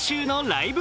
ライブ！」